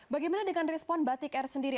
bagaimana dengan respon batik air sendiri